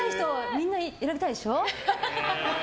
みんな選びたいでしょ？